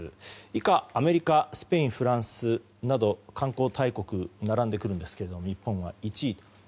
以下、アメリカフランス、スペインなど観光大国が並んでくるんですが日本は１位。